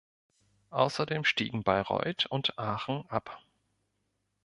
Außerdem stiegen Bayreuth und Aachen ab.